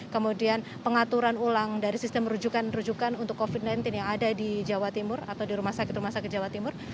kemudian pengaturan ulang dari sistem rujukan rujukan untuk covid sembilan belas yang ada di jawa timur atau di rumah sakit rumah sakit jawa timur